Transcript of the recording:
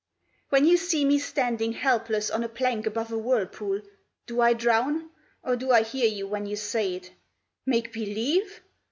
When you see me standing helpless on a plank above a whirlpool, Do I drown, or do I hear you when you say it? Make believe?